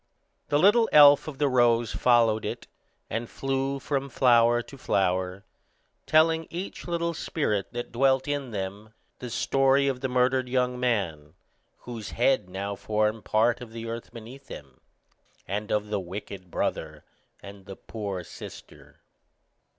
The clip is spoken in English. The little elf of the rose followed it, and flew from flower to flower, telling each little spirit that dwelt in them the story of the murdered young man, whose head now formed part of the earth beneath them, and of the wicked brother and the poor sister.